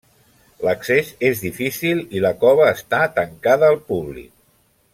L'accés és difícil i la cova està tancada al públic.